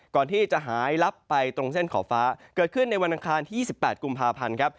ก่อนที่จะหายลับไปตรงเส้นขอบฟ้าเกิดขึ้นในวันอังคารที่๒๘กุมภาพันธ์ครับ